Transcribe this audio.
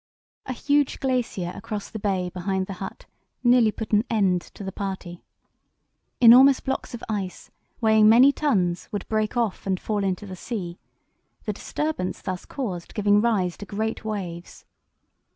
A huge glacier across the bay behind the hut nearly put an end to the party. Enormous blocks of ice weighing many tons would break off and fall into the sea, the disturbance thus caused giving rise to great waves.